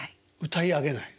歌い上げない。